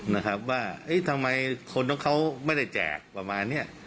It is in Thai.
นะครับว่าเอ๊ะทำไมคนของเขาไม่ได้แจกประมาณเนี้ย